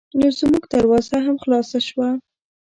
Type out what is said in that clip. نو زمونږ دروازه هم خلاصه شوه.